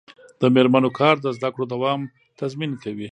د میرمنو کار د زدکړو دوام تضمین کوي.